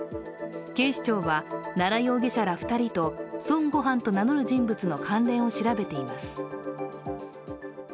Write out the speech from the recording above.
警視庁は奈良容疑者ら２人と孫悟飯と名乗る人物との関連を調べています。